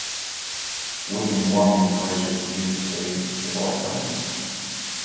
William warmly encouraged her zeal for study and supported her in it.